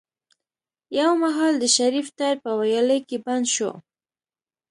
يو مهال د شريف ټاير په ويالې کې بند شو.